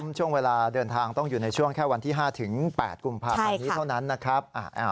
ช่วงเวลาเดินทางต้องอยู่ในช่วงแค่วันที่๕ถึง๘กุมภาพันธ์นี้เท่านั้นนะครับ